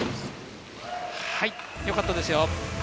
よかったですよ。